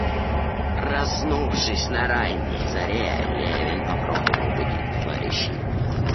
Проснувшись на ранней заре, Левин попробовал будить товарищей.